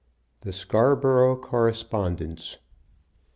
THE SCARBOROUGH CORRESPONDENCE.